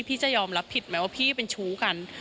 พี่จะยอมรับผิดไหมว่าพี่เป็นชู้กัน